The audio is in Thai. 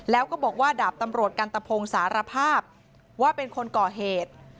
แล้วก็บอกว่าดาบตำรวจกันตะพงสารภาพว่าเป็นคนก่อเหตุ